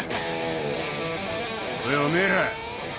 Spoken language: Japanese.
おいおめえら。